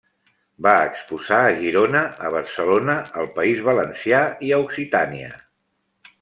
Va exposar a Girona, a Barcelona, al País Valencià i a Occitània.